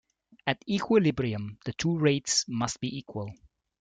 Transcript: At equilibrium, the two rates must be equal.